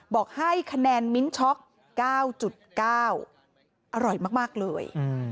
บอกให้คะแนนมิ้นช็อก๙๙อร่อยมากเลย